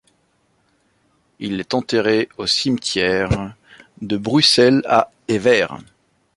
Il est enterré au cimetière de Bruxelles, à Evere.